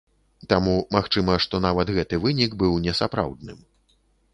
Таму магчыма, што нават гэты вынік быў несапраўдным.